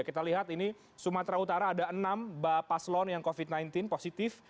kita lihat ini sumatera utara ada enam bapak paslon yang covid sembilan belas positif